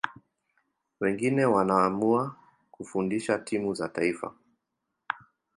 wengine wanaamua kufundisha timu za taifa